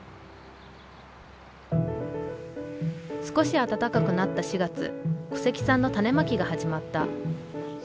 少し暖かくなった４月古関さんの種まきが始まった。